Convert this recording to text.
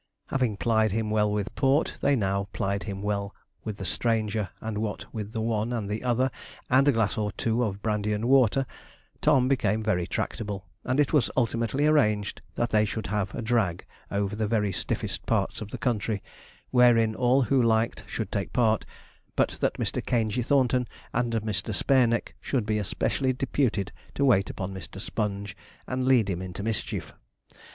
Having plied him well with port, they now plied him well with the stranger, and what with the one and the other, and a glass or two of brandy and water, Tom became very tractable, and it was ultimately arranged that they should have a drag over the very stiffest parts of the country, wherein all who liked should take part, but that Mr. Caingey Thornton and Mr. Spareneck should be especially deputed to wait upon Mr. Sponge, and lead him into mischief.